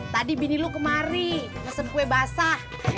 tadi bini lu kemari ngesen kue basah